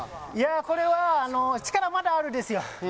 これは、力はまだあるんですよ。